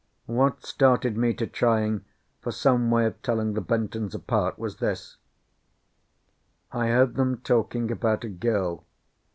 What started me to trying for some way of telling the Bentons apart was this. I heard them talking about a girl.